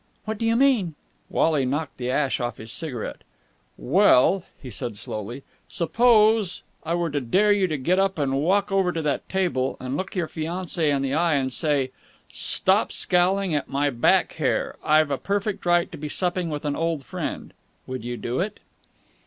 "What do you mean?" Wally knocked the ash off his cigarette. "Well," he said slowly, "suppose I were to dare you to get up and walk over to that table and look your fiancé in the eye and say, 'Stop scowling at my back hair! I've a perfect right to be supping with an old friend!' would you do it?"